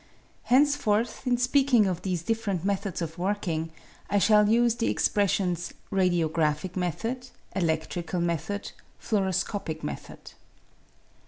Henceforth, in speaking of these different methods of working, I shall use the expressions radiographic method, eledrical method, fluoroscopic method.